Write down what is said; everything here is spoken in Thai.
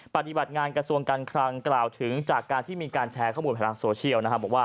ปฏิบัติงานกระทรวงการคลังกล่าวถึงจากการที่มีการแชร์ข้อมูลแผนภาคโซเชียล